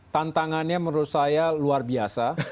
tantangannya menurut saya luar biasa